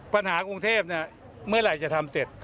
ปัญหากรุงเทพเนี่ยเมื่อไหร่จะทำเสร็จ